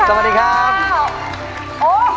สวัสดีครับ